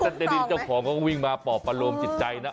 แต่เดี๋ยวเจ้าของก็วิ่งมาปอบประโลมจิตใจนะ